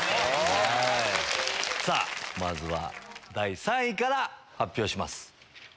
まずは第３位から発表します。